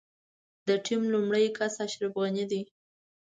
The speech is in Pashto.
د ټيم لومړی کس اشرف غني دی.